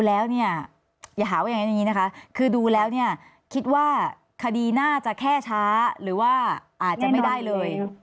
มั้ยตัวอย่างนี้นะคะคือดูแล้วเนี่ยคิดว่าคดีน่าจะแค้ช้าหรือว่าอาจจะไม่ได้เลย